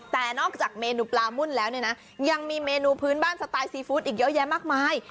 แต่นอกจากเมนูปลามุ่นแล้วเนี่ยนะยังมีเมนูพื้นบ้านสไตล์ซีฟู้ดอีกเยอะแยะมากมาย